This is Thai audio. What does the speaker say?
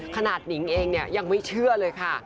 ขนาดนิ้งเองเนี่ยยังไม่เชื่อเลยค่ะ